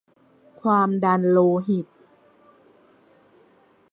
วัดความดันโลหิต